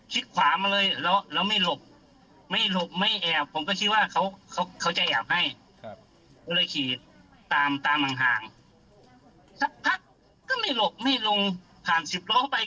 หลบนี่เอ๊ะมันแปลกอะไรเนี่ยก็เลยเอากล้องขึ้นมาที่มาตั้งกล้องถ่าย